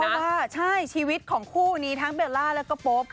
เพราะว่าใช่ชีวิตของคู่นี้ทั้งเบลล่าแล้วก็โป๊ป